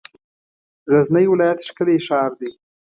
غزنی ولایت ښکلی شار دی.